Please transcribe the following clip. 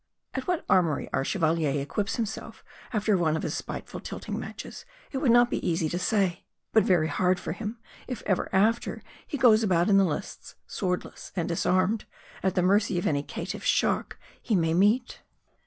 At what armory our Chevalier equips himself after one of his spiteful tilting matches, it would not be easy to say. But very hard for him, if ever after he goes about in the lists, swordless and disarmed, at the mercy of any caitiff shark he may meet.